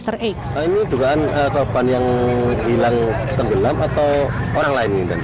atau orang lain